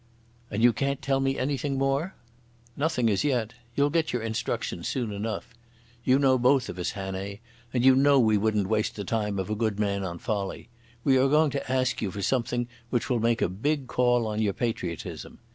"And you can't tell me anything more?" "Nothing as yet. You'll get your instructions soon enough. You know both of us, Hannay, and you know we wouldn't waste the time of a good man on folly. We are going to ask you for something which will make a big call on your patriotism.